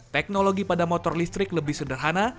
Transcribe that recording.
teknologi pada motor listrik lebih sederhana